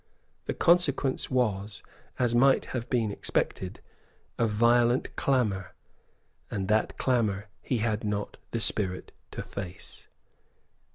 The consequence was, as might have been expected, a violent clamour; and that clamour he had not the spirit to face.